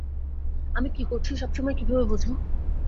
আমি কী করছি সবসময় কীভাবে বোঝো?